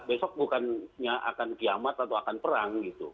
besok bukannya akan kiamat atau akan perang gitu